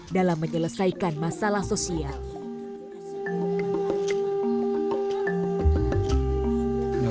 dalam menyelesaikan masalah sosial